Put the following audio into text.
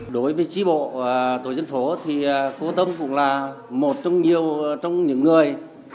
đối với tri bộ tổ dân phố thì cô tâm cũng là một trong nhiều trong những người